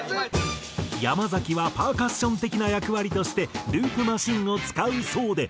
山崎はパーカッション的な役割としてループマシンを使うそうで。